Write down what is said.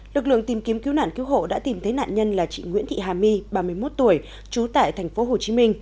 lực lượng tìm kiếm cứu nạn cứu hộ đã tìm thấy nạn nhân là chị nguyễn thị hà my ba mươi một tuổi trú tại tp hcm